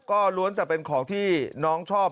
ก็ล้วนจะเป็นของที่น้องชอบ